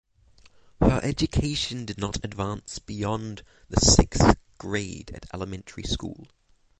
Her education did not advance beyond the sixth grade at elementary school.